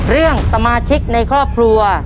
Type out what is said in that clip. เรื่องสมาชิกในครอบครัว